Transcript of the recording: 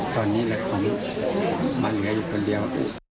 ตอนนี้เลยผมมาเหลืออยู่คนเดียว